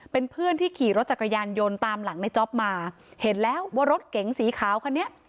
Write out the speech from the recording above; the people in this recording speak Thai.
เป็นเพื่อนที่ขี่รถจักรยานยนต์ตามหลังในจ๊อปมาเห็นแล้วว่ารถเก๋งสีขาวคันนี้